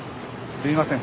すみません。